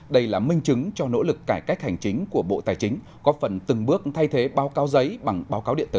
đây là minh chứng cho nỗ lực cải cách hành chính của bộ tài chính có phần từng bước thay thế báo cáo giấy bằng báo cáo điện tử